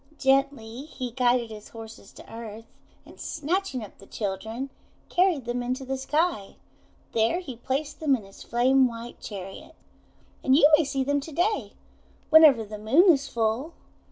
Gently he guided his horses to earth, and, snatching up the children, carried them into the sky. There he placed them in his flame white chariot. And you may see them to day, whenever the Moon is full.